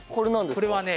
これはね